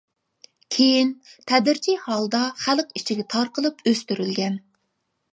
كېيىن، تەدرىجىي ھالدا خەلق ئىچىگە تارقىلىپ ئۆستۈرۈلگەن.